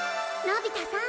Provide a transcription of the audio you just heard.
のび太さん！？